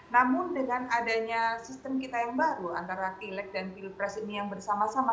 namun dengan adanya sistem kita yang baru antara pilek dan pilpres ini yang bersama sama